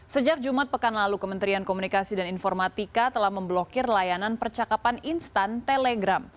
sejak jumat pekan lalu kementerian komunikasi dan informatika telah memblokir layanan percakapan instan telegram